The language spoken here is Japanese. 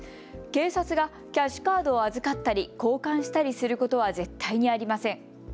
警察がキャッシュカードを預かったり交換したりすることは絶対にありません。